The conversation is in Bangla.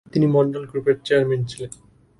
তিনি মন্ডল গ্রুপের চেয়ারম্যান ছিলেন।